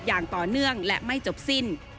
อย่างต่อเนื่องและไม่จบสิ้น